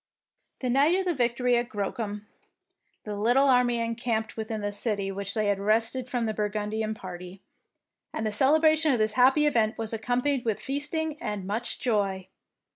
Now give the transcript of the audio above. The night of the victory at Grocum, the little army encamped within the city which they had wrested from the Burgundian party, and the celebration of this happy event was accompanied with feasting and much joy.